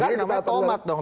jadi namanya tomat dong